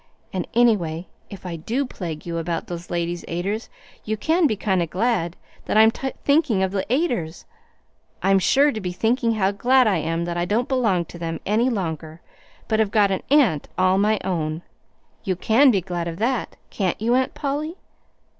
And, anyway, if I do plague you about those Ladies' Aiders, you can be kind o' glad, for if I'm thinking of the Aiders, I'm sure to be thinking how glad I am that I don't belong to them any longer, but have got an aunt all my own. You can be glad of that, can't you, Aunt Polly?"